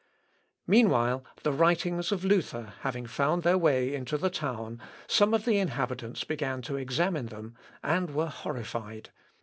Meanwhile the writings of Luther having found their way into the town, some of the inhabitants began to examine them, and were horrified.